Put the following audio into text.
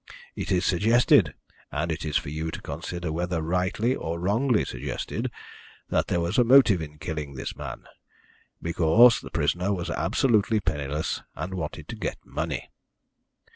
It is suggested, and it is for you to consider whether rightly or wrongly suggested, that there was a motive in killing this man, because the prisoner was absolutely penniless and wanted to get money."